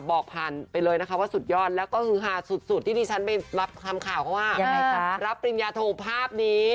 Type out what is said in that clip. บอกผ่านไปเลยนะคะว่าสุดยอดแล้วก็ฮือฮาสุดที่ที่ฉันไปรับคำข่าวเขาว่ารับปริญญาโทภาพนี้